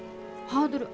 ハードル？